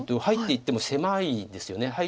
入っていっても狭いですよね。